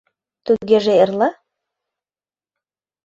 — Тугеже эрла?